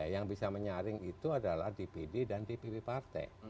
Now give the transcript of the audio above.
yang bisa menyaring itu adalah dpd dan dpp partai